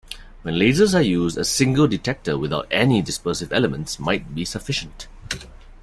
When lasers are used, a single detector without any dispersive elements might be sufficient.